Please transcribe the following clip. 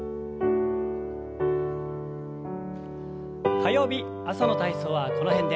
火曜日朝の体操はこの辺で。